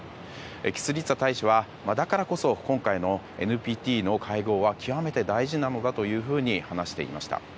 キスリツァ大使はだからこそ今回のＮＰＴの会合は極めて大事なのだというふうに話していました。